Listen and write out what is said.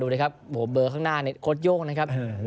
ดูด้วยครับเบอร์ข้างหน้านี่โคตรโย่งนะครับ